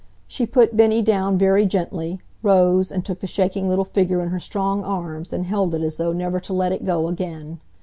She put Bennie down very gently, rose, and took the shaking little figure in her strong arms, and held it as though never to let it go again.